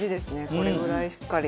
これぐらいしっかり。